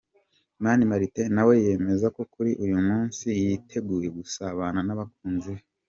Mani Martin nawe yemeza ko kuri uyu munsi yiteguye gusabana n’abakunzi be.